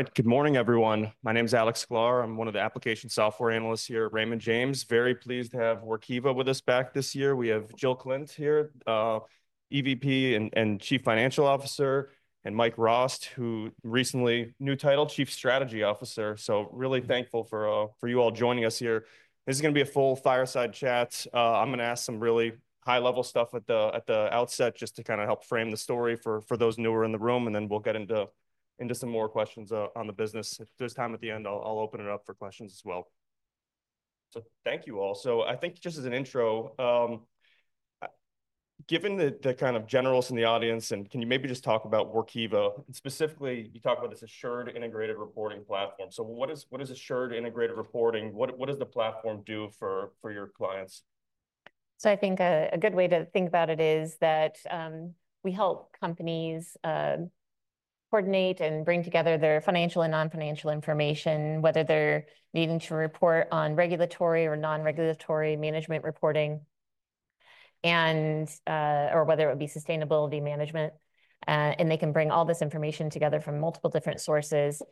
All right, good morning, everyone. My name is Alex Sklar. I'm one of the application software analysts here at Raymond James. Very pleased to have Workiva with us back this year. We have Jill Klindt here, EVP and Chief Financial Officer, and Mike Rost, who recently newly titled Chief Strategy Officer. So really thankful for you all joining us here. This is going to be a full fireside chat. I'm going to ask some really high-level stuff at the outset just to kind of help frame the story for those newer in the room, and then we'll get into some more questions on the business. If there's time at the end, I'll open it up for questions as well. So thank you all. So I think just as an intro, given the kind of generalists in the audience, and can you maybe just talk about Workiva? Specifically, you talk about this Assured Integrated Reporting platform. So what is Assured Integrated Reporting? What does the platform do for your clients? I think a good way to think about it is that we help companies coordinate and bring together their financial and non-financial information, whether they're needing to report on regulatory or non-regulatory management reporting, or whether it would be sustainability management. They can bring all this information together from multiple different sources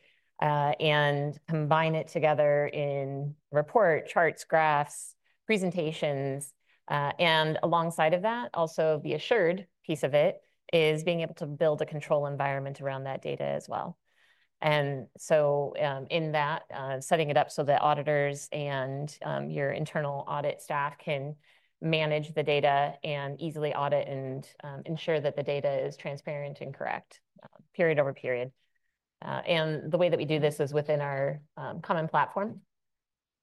and combine it together in report charts, graphs, presentations. Alongside of that, also the assured piece of it is being able to build a control environment around that data as well. In that, setting it up so that auditors and your internal audit staff can manage the data and easily audit and ensure that the data is transparent and correct, period over period. The way that we do this is within our common platform.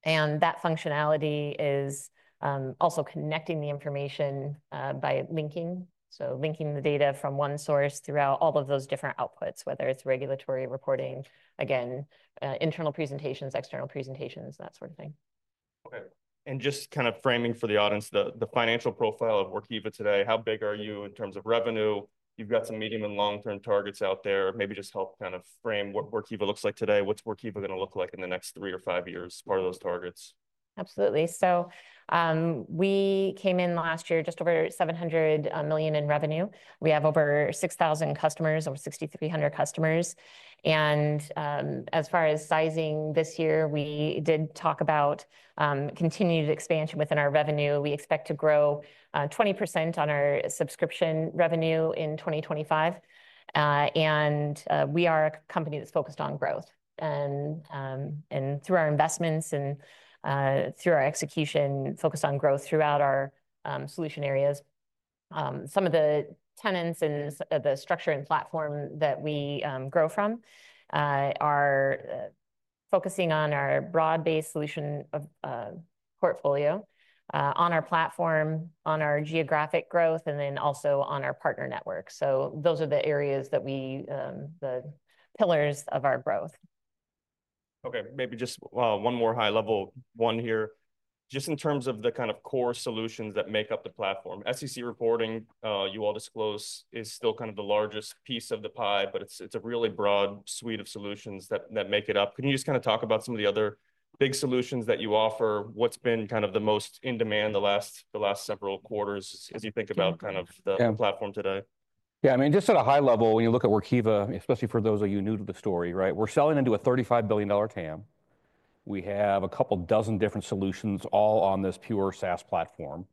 That functionality is also connecting the information by linking, so linking the data from one source throughout all of those different outputs, whether it's regulatory reporting, again, internal presentations, external presentations, that sort of thing. Okay. And just kind of framing for the audience, the financial profile of Workiva today, how big are you in terms of revenue? You've got some medium and long-term targets out there. Maybe just help kind of frame what Workiva looks like today. What's Workiva going to look like in the next three or five years? Part of those targets. Absolutely. So we came in last year just over $700 million in revenue. We have over 6,000 customers, over 6,300 customers. And as far as sizing this year, we did talk about continued expansion within our revenue. We expect to grow 20% on our subscription revenue in 2025. And we are a company that's focused on growth. And through our investments and through our execution, focused on growth throughout our solution areas. Some of the tenets and the structure and platform that we grow from are focusing on our broad-based solution portfolio, on our platform, on our geographic growth, and then also on our partner network. So those are the areas that are the pillars of our growth. Okay. Maybe just one more high-level one here. Just in terms of the kind of core solutions that make up the platform, SEC reporting, you all disclose, is still kind of the largest piece of the pie, but it's a really broad suite of solutions that make it up. Can you just kind of talk about some of the other big solutions that you offer? What's been kind of the most in demand the last several quarters as you think about kind of the platform today? Yeah, I mean, just at a high level, when you look at Workiva, especially for those of you new to the story, right? We're selling into a $35 billion TAM. We have a couple dozen different solutions all on this pure SaaS platform.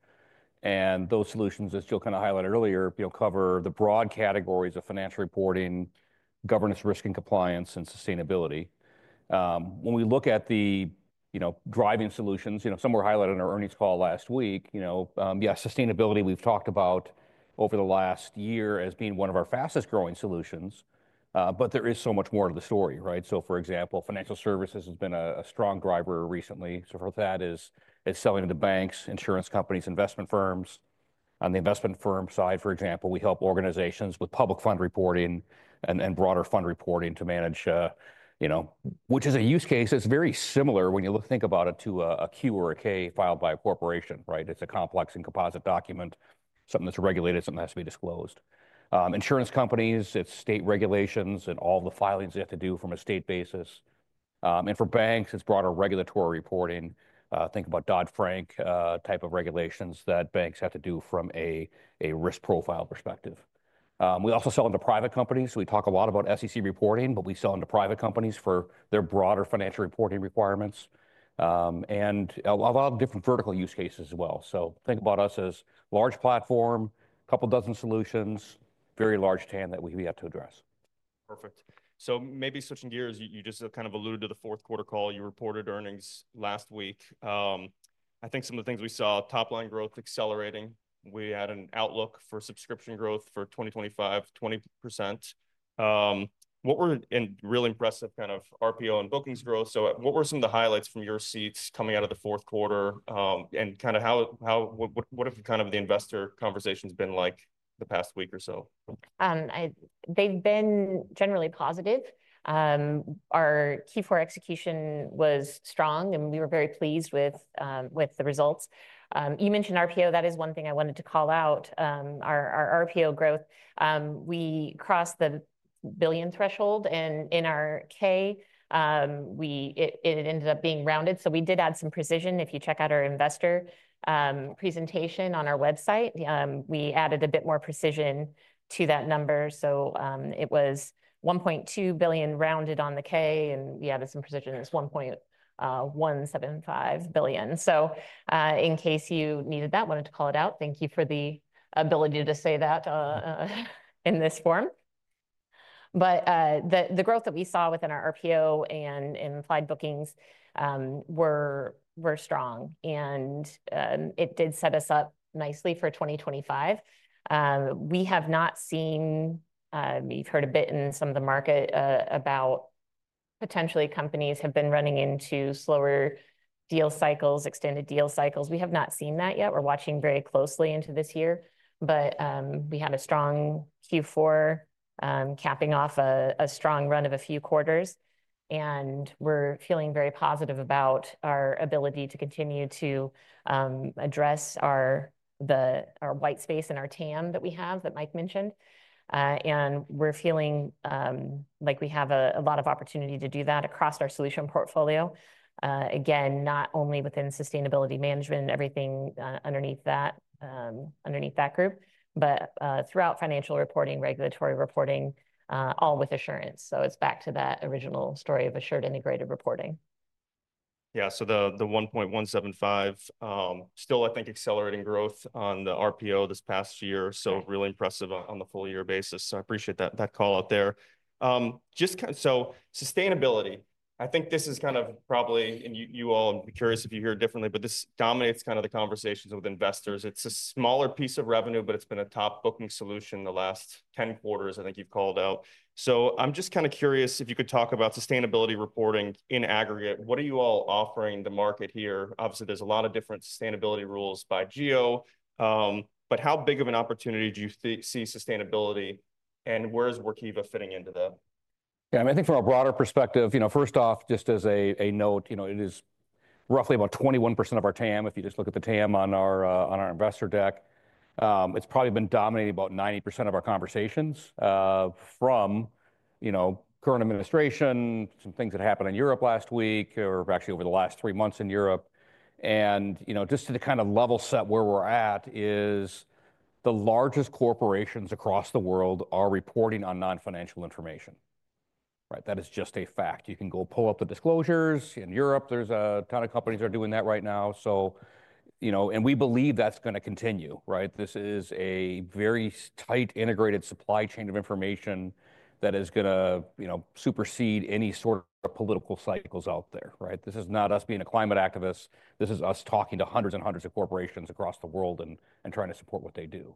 And those solutions, as Jill kind of highlighted earlier, cover the broad categories of financial reporting, governance, risk, and compliance, and sustainability. When we look at the driving solutions, some were highlighted in our earnings call last week. Yeah, sustainability, we've talked about over the last year as being one of our fastest-growing solutions, but there is so much more to the story, right? So for example, financial services has been a strong driver recently. So for that is selling to the banks, insurance companies, investment firms. On the investment firm side, for example, we help organizations with public fund reporting and broader fund reporting to manage, which is a use case that's very similar when you think about it to a Q or a K filed by a corporation, right? It's a complex and composite document, something that's regulated, something that has to be disclosed. Insurance companies, it's state regulations and all the filings they have to do from a state basis. And for banks, it's broader regulatory reporting. Think about Dodd-Frank type of regulations that banks have to do from a risk profile perspective. We also sell into private companies. We talk a lot about SEC reporting, but we sell into private companies for their broader financial reporting requirements. And a lot of different vertical use cases as well. Think about us as a large platform, a couple dozen solutions, very large TAM that we have to address. Perfect. So maybe switching gears, you just kind of alluded to the fourth quarter call. You reported earnings last week. I think some of the things we saw, top-line growth accelerating. We had an outlook for subscription growth for 2025, 20%. What were really impressive kind of RPO and bookings growth? So what were some of the highlights from your seats coming out of the fourth quarter? And kind of what have kind of the investor conversations been like the past week or so? They've been generally positive. Our Q4 execution was strong, and we were very pleased with the results. You mentioned RPO. That is one thing I wanted to call out, our RPO growth. We crossed the $1 billion threshold, and in our K, it ended up being rounded. So we did add some precision. If you check out our investor presentation on our website, we added a bit more precision to that number. So it was $1.2 billion rounded on the K, and we added some precision. It's $1.175 billion. So in case you needed that, wanted to call it out, thank you for the ability to say that in this form. But the growth that we saw within our RPO and in filed bookings were strong, and it did set us up nicely for 2025. We have not seen, we've heard a bit in some of the market about potentially companies have been running into slower deal cycles, extended deal cycles. We have not seen that yet. We're watching very closely into this year. But we had a strong Q4, capping off a strong run of a few quarters. And we're feeling very positive about our ability to continue to address the white space in our TAM that we have that Mike mentioned. And we're feeling like we have a lot of opportunity to do that across our solution portfolio. Again, not only within sustainability management and everything underneath that group, but throughout financial reporting, regulatory reporting, all with assurance. So it's back to that original story of Assured Integrated Reporting. Yeah, so the $1.175, still, I think, accelerating growth on the RPO this past year. Really impressive on the full year basis. I appreciate that call out there. Just on sustainability, I think this is kind of probably, and you all, I'm curious if you hear it differently, but this dominates kind of the conversations with investors. It's a smaller piece of revenue, but it's been a top booking solution the last 10 quarters, I think you've called out. I'm just kind of curious if you could talk about sustainability reporting in aggregate. What are you all offering the market here? Obviously, there's a lot of different sustainability rules by geo. How big of an opportunity do you see sustainability? And where is Workiva fitting into that? Yeah, I mean, I think from a broader perspective, first off, just as a note, it is roughly about 21% of our TAM. If you just look at the TAM on our investor deck, it's probably been dominating about 90% of our conversations from current administration, some things that happened in Europe last week, or actually over the last three months in Europe. And just to kind of level set where we're at is the largest corporations across the world are reporting on non-financial information. That is just a fact. You can go pull up the disclosures. In Europe, there's a ton of companies that are doing that right now. And we believe that's going to continue. This is a very tight integrated supply chain of information that is going to supersede any sort of political cycles out there. This is not us being a climate activist. This is us talking to hundreds and hundreds of corporations across the world and trying to support what they do.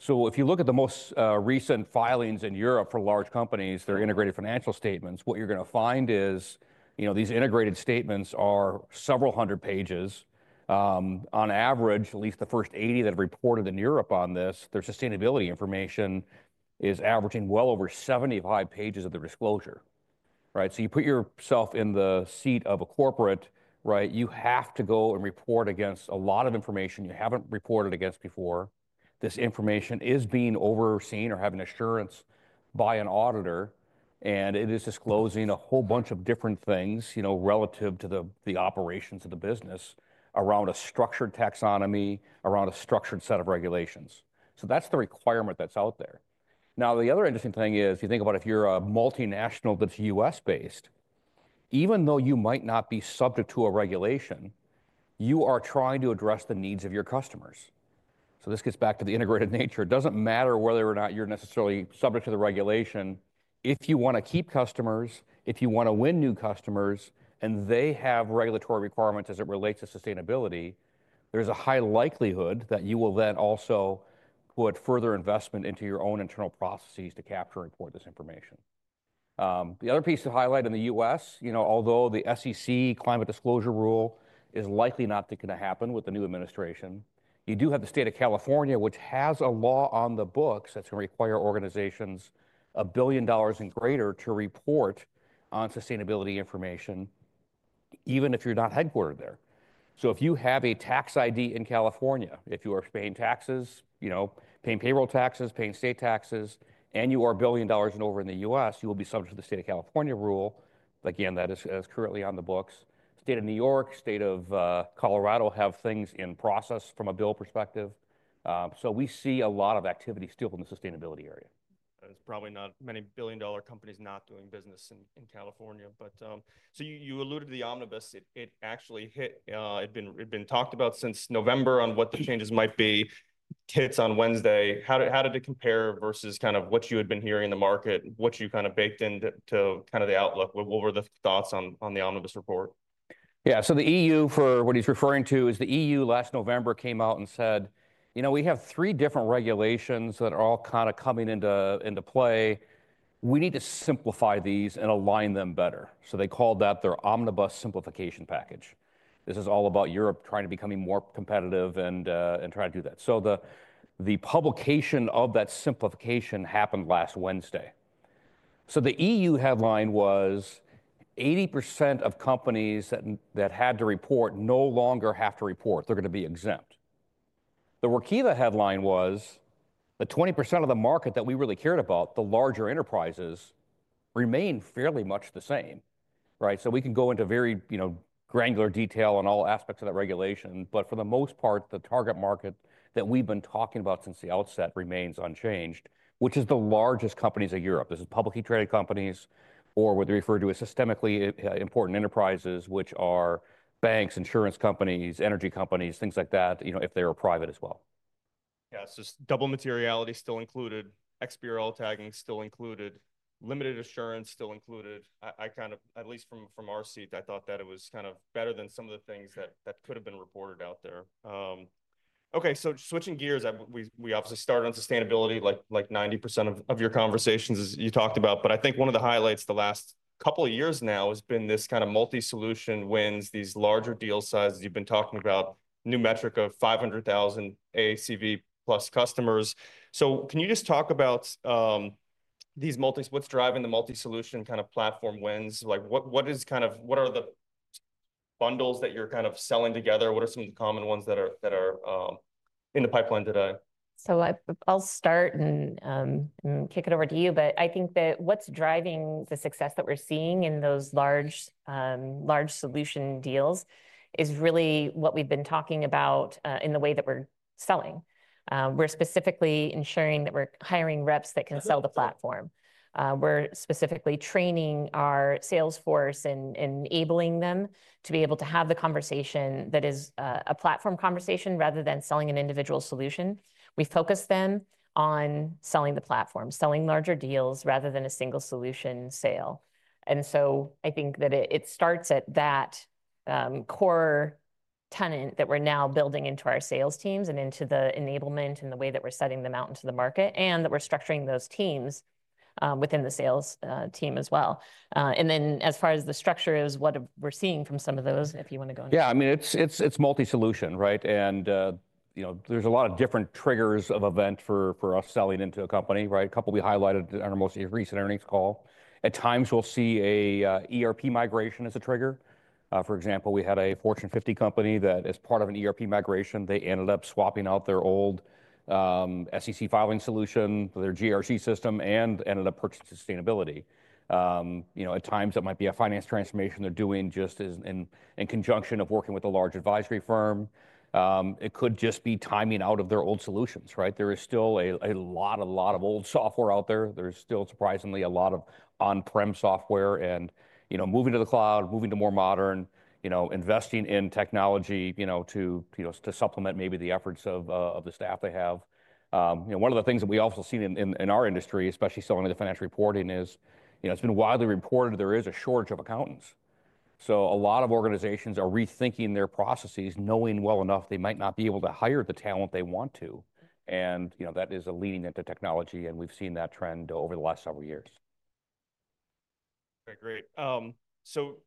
So if you look at the most recent filings in Europe for large companies, their integrated financial statements, what you're going to find is these integrated statements are several hundred pages. On average, at least the first 80 that have reported in Europe on this, their sustainability information is averaging well over 75 pages of the disclosure. So you put yourself in the seat of a corporate, you have to go and report against a lot of information you haven't reported against before. This information is being overseen or having assurance by an auditor. And it is disclosing a whole bunch of different things relative to the operations of the business around a structured taxonomy, around a structured set of regulations. So that's the requirement that's out there. Now, the other interesting thing is you think about if you're a multinational that's U.S.-based, even though you might not be subject to a regulation, you are trying to address the needs of your customers. So this gets back to the integrated nature. It doesn't matter whether or not you're necessarily subject to the regulation. If you want to keep customers, if you want to win new customers, and they have regulatory requirements as it relates to sustainability, there's a high likelihood that you will then also put further investment into your own internal processes to capture and report this information. The other piece to highlight in the U.S., although the SEC Climate Disclosure Rule is likely not going to happen with the new administration, you do have the State of California, which has a law on the books that's going to require organizations a billion dollars and greater to report on sustainability information, even if you're not headquartered there. So if you have a tax ID in California, if you are paying taxes, paying payroll taxes, paying state taxes, and you are a billion dollars and over in the U.S., you will be subject to the State of California rule. But again, that is currently on the books. The State of New York, State of Colorado have things in process from a bill perspective. So we see a lot of activity still in the sustainability area. There's probably not many billion-dollar companies not doing business in California. So you alluded to the Omnibus. It actually hit. It's been talked about since November on what the changes might be. Hits on Wednesday. How did it compare versus kind of what you had been hearing in the market, what you kind of baked into kind of the outlook? What were the thoughts on the Omnibus report? Yeah, so the EU, for what he's referring to, is the EU last November came out and said, you know, we have three different regulations that are all kind of coming into play. We need to simplify these and align them better. So they called that their Omnibus simplification package. This is all about Europe trying to become more competitive and trying to do that. So the publication of that simplification happened last Wednesday. So the EU headline was 80% of companies that had to report no longer have to report. They're going to be exempt. The Workiva headline was the 20% of the market that we really cared about, the larger enterprises, remain fairly much the same. So we can go into very granular detail on all aspects of that regulation. But for the most part, the target market that we've been talking about since the outset remains unchanged, which is the largest companies in Europe. This is publicly traded companies or what they refer to as systemically important enterprises, which are banks, insurance companies, energy companies, things like that, if they were private as well. Yeah, so double materiality still included, XBRL tagging still included, limited assurance still included. I kind of, at least from our seat, I thought that it was kind of better than some of the things that could have been reported out there. Okay, so switching gears, we obviously started on sustainability like 90% of your conversations you talked about. But I think one of the highlights the last couple of years now has been this kind of multi-solution wins, these larger deal sizes you've been talking about, new metric of $500,000 ACV plus customers. So can you just talk about these multi-solutions, what's driving the multi-solution kind of platform wins? What is kind of what are the bundles that you're kind of selling together? What are some of the common ones that are in the pipeline today? So I'll start and kick it over to you. But I think that what's driving the success that we're seeing in those large solution deals is really what we've been talking about in the way that we're selling. We're specifically ensuring that we're hiring reps that can sell the platform. We're specifically training our salesforce and enabling them to be able to have the conversation that is a platform conversation rather than selling an individual solution. We focus them on selling the platform, selling larger deals rather than a single solution sale. And so I think that it starts at that core tenet that we're now building into our sales teams and into the enablement and the way that we're setting them out into the market and that we're structuring those teams within the sales team as well. And then, as far as the structure is, what we're seeing from some of those, if you want to go into that. Yeah, I mean, it's multi-solution, right? And there's a lot of different triggers of event for us selling into a company, right? A couple we highlighted on our most recent earnings call. At times, we'll see an ERP migration as a trigger. For example, we had a Fortune 50 company that as part of an ERP migration, they ended up swapping out their old SEC filing solution, their GRC system, and ended up purchasing sustainability. At times, it might be a finance transformation they're doing just in conjunction of working with a large advisory firm. It could just be timing out of their old solutions, right? There is still a lot, a lot of old software out there. There's still surprisingly a lot of on-prem software and moving to the cloud, moving to more modern, investing in technology to supplement maybe the efforts of the staff they have. One of the things that we also see in our industry, especially selling the financial reporting, is it's been widely reported there is a shortage of accountants, so a lot of organizations are rethinking their processes, knowing well enough they might not be able to hire the talent they want to, and that is leading into technology, and we've seen that trend over the last several years. Okay, great. So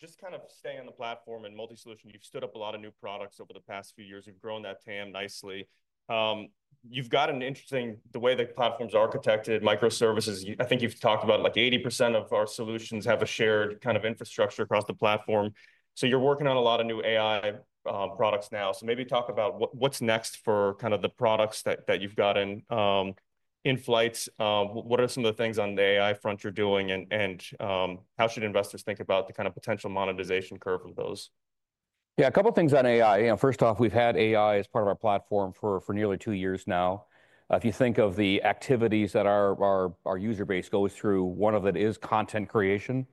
just kind of staying on the platform and multi-solution, you've stood up a lot of new products over the past few years. You've grown that TAM nicely. You've got an interesting the way the platform's architected, microservices. I think you've talked about like 80% of our solutions have a shared kind of infrastructure across the platform. So you're working on a lot of new AI products now. So maybe talk about what's next for kind of the products that you've got in flights. What are some of the things on the AI front you're doing and how should investors think about the kind of potential monetization curve of those? Yeah, a couple of things on AI. First off, we've had AI as part of our platform for nearly two years now. If you think of the activities that our user base goes through, one of them is content creation.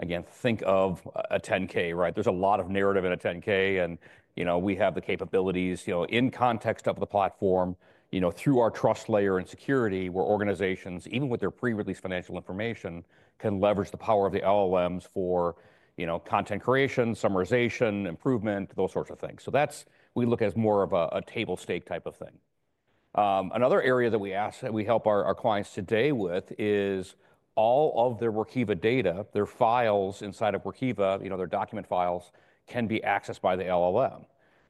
Again, think of a 10-K, right? There's a lot of narrative in a 10-K. And we have the capabilities in context of the platform through our trust layer and security, where organizations, even with their pre-released financial information, can leverage the power of the LLMs for content creation, summarization, improvement, those sorts of things. So we look as more of a table stake type of thing. Another area that we help our clients today with is all of their Workiva data, their files inside of Workiva, their document files can be accessed by the LLM.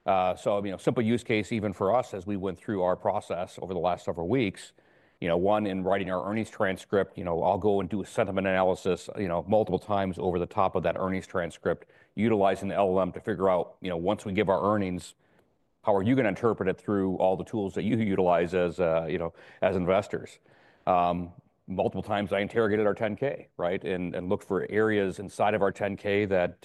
So, simple use case even for us as we went through our process over the last several weeks. One, in writing our earnings transcript, I'll go and do a sentiment analysis multiple times over the top of that earnings transcript, utilizing the LLM to figure out once we give our earnings, how are you going to interpret it through all the tools that you utilize as investors? Multiple times, I interrogated our 10-K and looked for areas inside of our 10-K that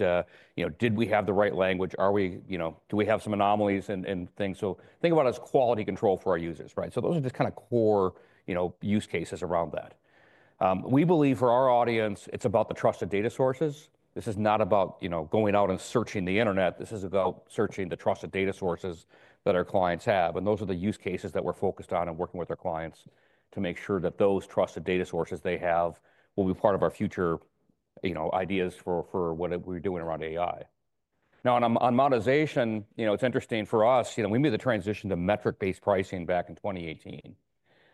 did we have the right language? Do we have some anomalies and things? Think about it as quality control for our users, right? Those are just kind of core use cases around that. We believe for our audience, it's about the trusted data sources. This is not about going out and searching the internet. This is about searching the trusted data sources that our clients have. Those are the use cases that we're focused on and working with our clients to make sure that those trusted data sources they have will be part of our future ideas for what we're doing around AI. Now, on monetization, it's interesting for us. We made the transition to metric-based pricing back in 2018.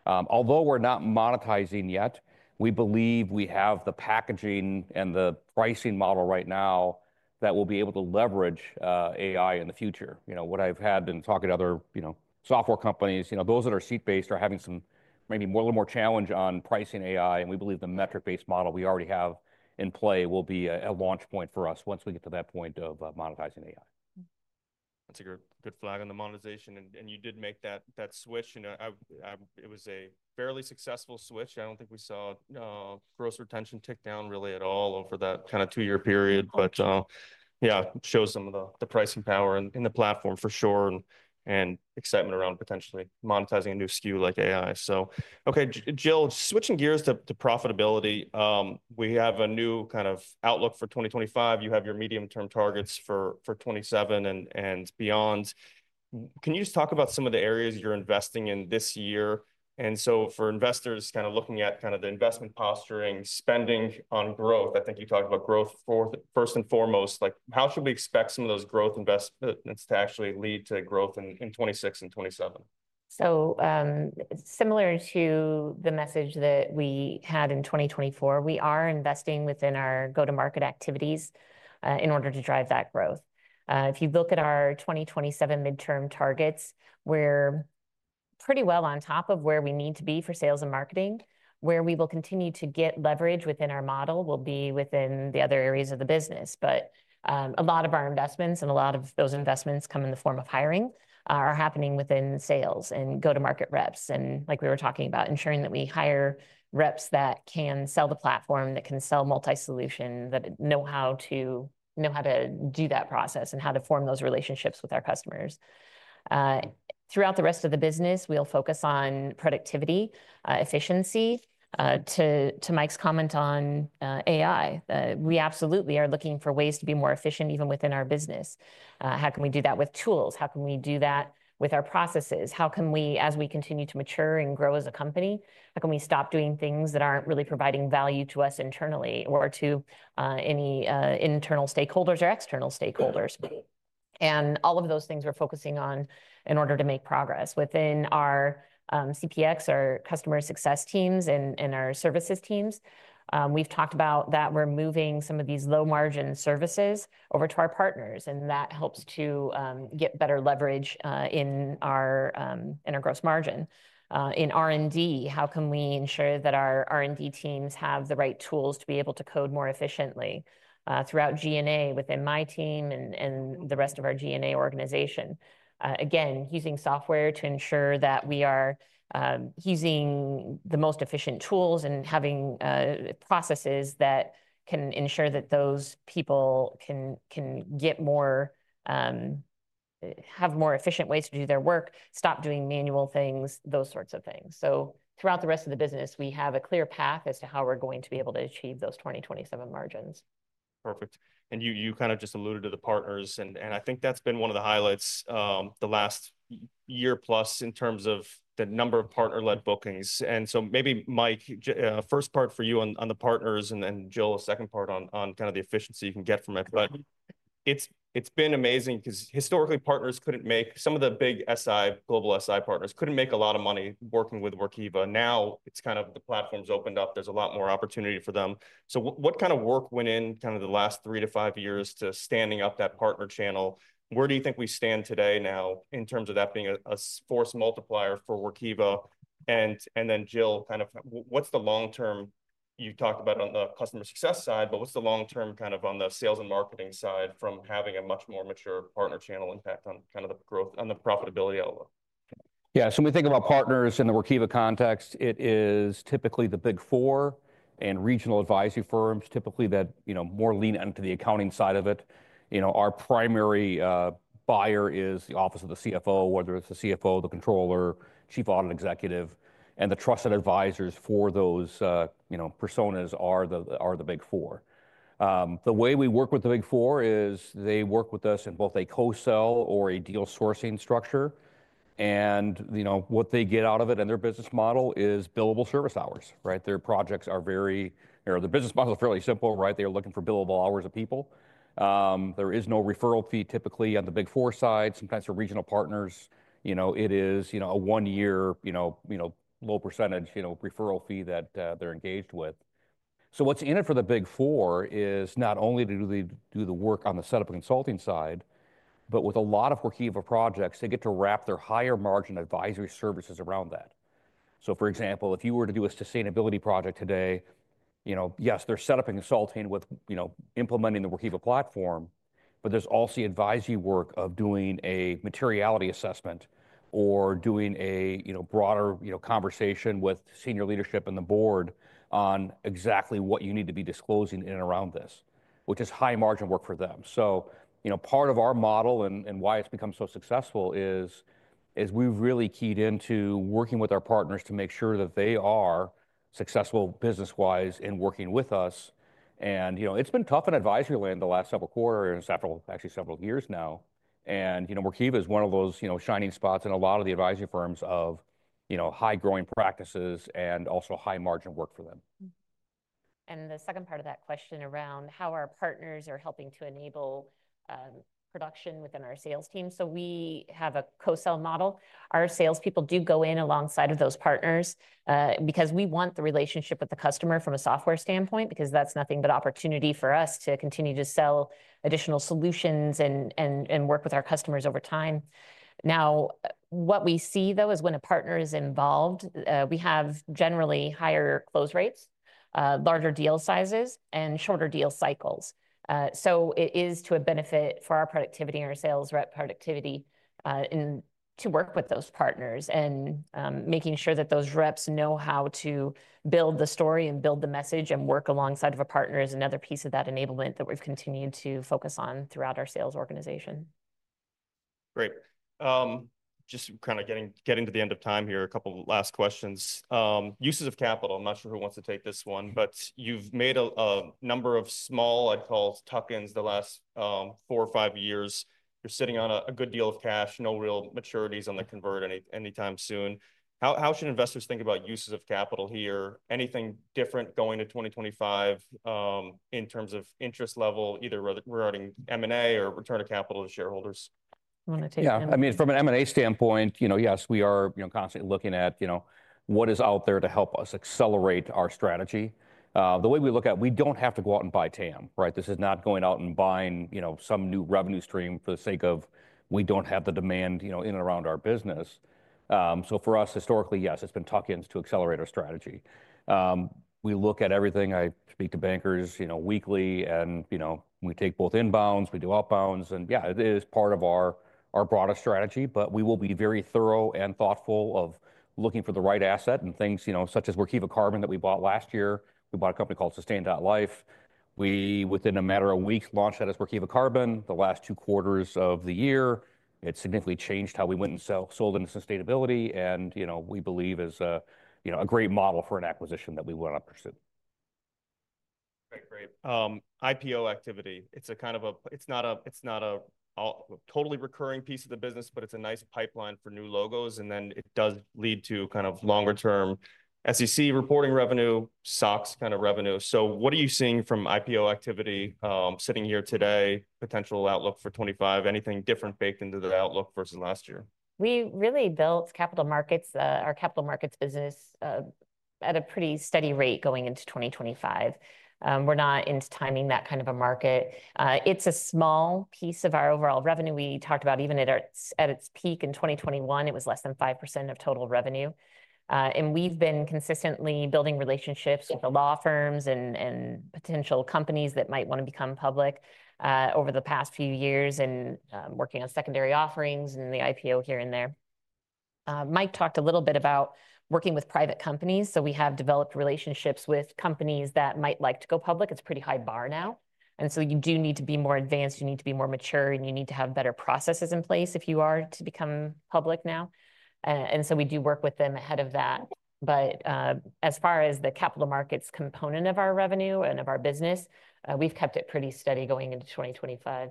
Although we're not monetizing yet, we believe we have the packaging and the pricing model right now that will be able to leverage AI in the future. As I've been talking to other software companies, those that are seat-based are having some, maybe a little more, challenge on pricing AI. We believe the metric-based model we already have in play will be a launch point for us once we get to that point of monetizing AI. That's a good flag on the monetization. And you did make that switch. It was a fairly successful switch. I don't think we saw gross retention tick down really at all over that kind of two-year period. But yeah, it shows some of the pricing power in the platform for sure and excitement around potentially monetizing a new SKU like AI. So, okay, Jill, switching gears to profitability. We have a new kind of outlook for 2025. You have your medium-term targets for 2027 and beyond. Can you just talk about some of the areas you're investing in this year? And so for investors kind of looking at kind of the investment posturing, spending on growth, I think you talked about growth first and foremost. How should we expect some of those growth investments to actually lead to growth in 2026 and 2027? So similar to the message that we had in 2024, we are investing within our go-to-market activities in order to drive that growth. If you look at our 2027 midterm targets, we're pretty well on top of where we need to be for sales and marketing. Where we will continue to get leverage within our model will be within the other areas of the business. But a lot of our investments and a lot of those investments come in the form of hiring are happening within sales and go-to-market reps. And like we were talking about, ensuring that we hire reps that can sell the platform, that can sell multi-solution, that know how to do that process and how to form those relationships with our customers. Throughout the rest of the business, we'll focus on productivity, efficiency. To Mike's comment on AI, we absolutely are looking for ways to be more efficient even within our business. How can we do that with tools? How can we do that with our processes? How can we, as we continue to mature and grow as a company, how can we stop doing things that aren't really providing value to us internally or to any internal stakeholders or external stakeholders? And all of those things we're focusing on in order to make progress. Within our CPX, our customer success teams, and our services teams, we've talked about that we're moving some of these low-margin services over to our partners. And that helps to get better leverage in our gross margin. In R&D, how can we ensure that our R&D teams have the right tools to be able to code more efficiently throughout G&A within my team and the rest of our G&A organization? Again, using software to ensure that we are using the most efficient tools and having processes that can ensure that those people can have more efficient ways to do their work, stop doing manual things, those sorts of things. So throughout the rest of the business, we have a clear path as to how we're going to be able to achieve those 2027 margins. Perfect. And you kind of just alluded to the partners. And I think that's been one of the highlights the last year plus in terms of the number of partner-led bookings. And so maybe, Mike, first part for you on the partners and then Jill, a second part on kind of the efficiency you can get from it. But it's been amazing because historically, partners couldn't make some of the big SI, global SI partners couldn't make a lot of money working with Workiva. Now it's kind of the platform's opened up. There's a lot more opportunity for them. So what kind of work went in kind of the last three to five years to standing up that partner channel? Where do you think we stand today now in terms of that being a force multiplier for Workiva? And then, Jill, kind of what's the long-term? You talked about it on the customer success side, but what's the long-term kind of on the sales and marketing side from having a much more mature partner channel impact on kind of the growth and the profitability outlook? Yeah, so when we think about partners in the Workiva context, it is typically the Big Four and regional advisory firms, typically that more lean into the accounting side of it. Our primary buyer is the Office of the CFO, whether it's the CFO, the controller, Chief Audit Executive. And the trusted advisors for those personas are the Big Four. The way we work with the Big Four is they work with us in both a co-sell or a deal sourcing structure. And what they get out of it in their business model is billable service hours, right? Their projects are very or the business model is fairly simple, right? They're looking for billable hours of people. There is no referral fee typically on the Big Four side. Sometimes for regional partners, it is a one-year low percentage referral fee that they're engaged with. What's in it for the Big Four is not only to do the work on the setup and consulting side, but with a lot of Workiva projects, they get to wrap their higher margin advisory services around that. For example, if you were to do a sustainability project today, yes, they're set up and consulting with implementing the Workiva platform, but there's also the advisory work of doing a materiality assessment or doing a broader conversation with senior leadership and the board on exactly what you need to be disclosing in and around this, which is high margin work for them. Part of our model and why it's become so successful is we've really keyed into working with our partners to make sure that they are successful business-wise in working with us. And it's been tough in advisory land the last several quarters and actually several years now. And Workiva is one of those shining spots in a lot of the advisory firms of high-growing practices and also high-margin work for them. And the second part of that question around how our partners are helping to enable production within our sales team, so we have a co-sell model. Our salespeople do go in alongside of those partners because we want the relationship with the customer from a software standpoint because that's nothing but opportunity for us to continue to sell additional solutions and work with our customers over time. Now, what we see, though, is when a partner is involved, we have generally higher close rates, larger deal sizes, and shorter deal cycles, so it is to a benefit for our productivity and our sales rep productivity to work with those partners and making sure that those reps know how to build the story and build the message and work alongside of a partner is another piece of that enablement that we've continued to focus on throughout our sales organization. Great. Just kind of getting to the end of time here, a couple of last questions. Uses of capital. I'm not sure who wants to take this one, but you've made a number of small, I'd call tuck-ins the last four or five years. You're sitting on a good deal of cash, no real maturities on the convert anytime soon. How should investors think about uses of capital here? Anything different going to 2025 in terms of interest level, either regarding M&A or return of capital to shareholders? I want to take it. Yeah. I mean, from an M&A standpoint, yes, we are constantly looking at what is out there to help us accelerate our strategy. The way we look at it, we don't have to go out and buy TAM, right? This is not going out and buying some new revenue stream for the sake of we don't have the demand in and around our business. So for us, historically, yes, it's been tuck-ins to accelerate our strategy. We look at everything. I speak to bankers weekly, and we take both inbounds. We do outbounds. And yeah, it is part of our broader strategy, but we will be very thorough and thoughtful of looking for the right asset and things such as Workiva Carbon that we bought last year. We bought a company called Sustain.Life. We, within a matter of weeks, launched that as Workiva Carbon, the last two quarters of the year. It significantly changed how we went and sold into sustainability. And we believe it is a great model for an acquisition that we want to pursue. Great. IPO activity. It's kind of. It's not a totally recurring piece of the business, but it's a nice pipeline for new logos. And then it does lead to kind of longer-term SEC reporting revenue, SOX kind of revenue. So what are you seeing from IPO activity sitting here today, potential outlook for 2025? Anything different baked into the outlook versus last year? We really built Capital Markets, our Capital Markets business at a pretty steady rate going into 2025. We're not into timing that kind of a market. It's a small piece of our overall revenue. We talked about even at its peak in 2021, it was less than 5% of total revenue, and we've been consistently building relationships with the law firms and potential companies that might want to become public over the past few years and working on secondary offerings and the IPO here and there. Mike talked a little bit about working with private companies, so we have developed relationships with companies that might like to go public. It's a pretty high bar now, and so you do need to be more advanced. You need to be more mature, and you need to have better processes in place if you are to become public now. And so we do work with them ahead of that. But as far as the Capital Markets component of our revenue and of our business, we've kept it pretty steady going into 2025.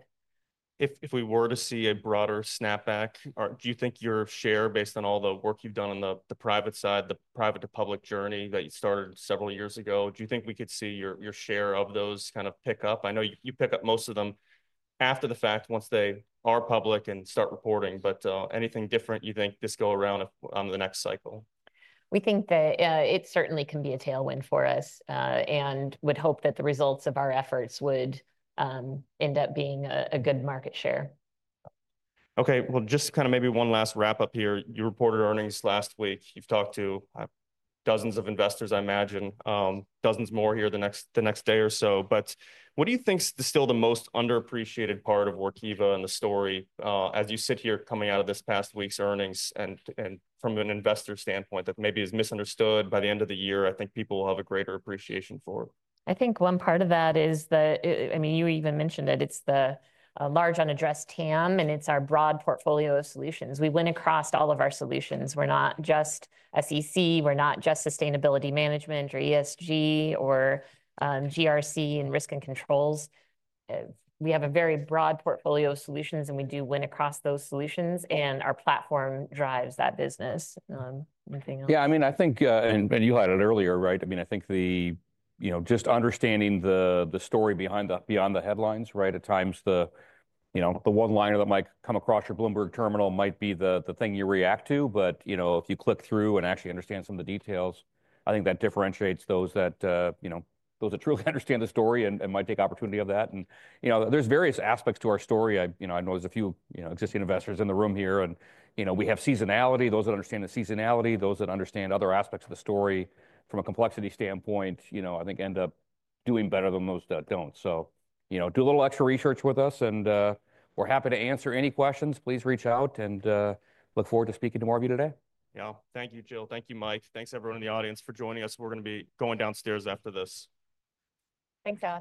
If we were to see a broader snapback, do you think your share based on all the work you've done on the private side, the private-to-public journey that you started several years ago, do you think we could see your share of those kind of pick up? I know you pick up most of them after the fact once they are public and start reporting, but anything different you think this go around on the next cycle? We think that it certainly can be a tailwind for us and would hope that the results of our efforts would end up being a good market share. Okay. Well, just kind of maybe one last wrap-up here. You reported earnings last week. You've talked to dozens of investors, I imagine, dozens more here the next day or so. But what do you think is still the most underappreciated part of Workiva in the story as you sit here coming out of this past week's earnings and from an investor standpoint that maybe is misunderstood by the end of the year? I think people will have a greater appreciation for it. I think one part of that is the, I mean, you even mentioned that it's the large unaddressed TAM, and it's our broad portfolio of solutions. We win across all of our solutions. We're not just SEC. We're not just sustainability management or ESG or GRC and risk and controls. We have a very broad portfolio of solutions, and we do win across those solutions. And our platform drives that business. Anything else? Yeah. I mean, I think, and you had it earlier, right? I mean, I think just understanding the story behind the headlines, right? At times, the one-liner that might come across your Bloomberg Terminal might be the thing you react to. But if you click through and actually understand some of the details, I think that differentiates those that truly understand the story and might take opportunity of that. And there's various aspects to our story. I know there's a few existing investors in the room here. And we have seasonality. Those that understand the seasonality, those that understand other aspects of the story from a complexity standpoint, I think end up doing better than those that don't. So do a little extra research with us. And we're happy to answer any questions. Please reach out. And look forward to speaking to more of you today. Yeah. Thank you, Jill. Thank you, Mike. Thanks, everyone in the audience for joining us. We're going to be going downstairs after this. Thanks, Alex.